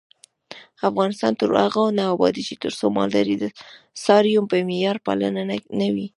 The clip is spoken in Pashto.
افغانستان تر هغو نه ابادیږي، ترڅو مالداري د څارویو په معیاري پالنه نه وي.